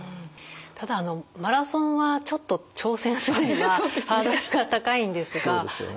ただマラソンはちょっと挑戦するにはハードルが高いんですが。